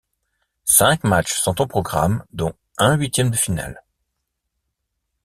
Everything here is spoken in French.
Cinq matchs sont au programme dont un huitième de finale.